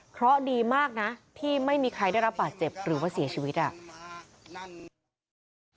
เพราะดีมากนะที่ไม่มีใครได้รับบาดเจ็บหรือว่าเสียชีวิตอ่ะ